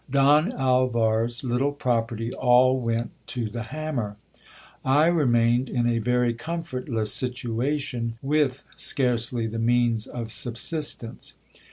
Don Alvar's little property all went to the hammer. I remained in a very comfortless situation, with scarcely the means of sub sistence.